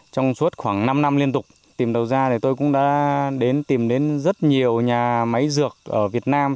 trong suốt khoảng năm năm liên tục tìm đầu ra tôi cũng đã tìm đến rất nhiều nhà máy dược ở việt nam